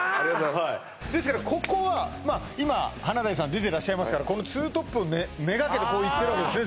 はいですからここはまあ今華大さん出ていらっしゃいますからこの２トップを目がけてこういってるわけですね